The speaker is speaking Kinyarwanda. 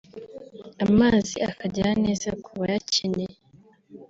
amazi akagera neza ku bayakeneye